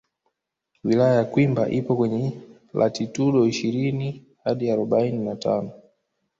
Wilaya ya Kwimba ipo kwenye latitudo ishirini hadi arobaini na tano